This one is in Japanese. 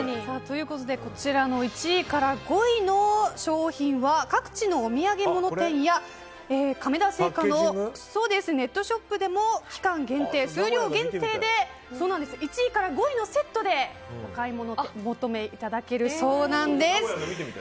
こちらの１位から５位の商品は各地のお土産物店や亀田製菓のネットショップでも期間限定、数量限定で１位から５位のセットでお買い求めいただけるそうです。